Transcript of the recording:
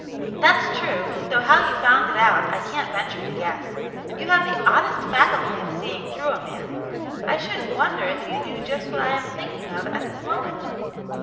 "That's true, though how you found it out I can't venture to guess. You have the oddest faculty of seeing through a man, I shouldn't wonder if you knew just what I am thinking of at this moment